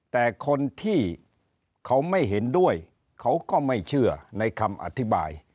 แต่คนที่เขาไม่เห็นด้วยเขาก็ไม่เชื่อในคำอธิบาย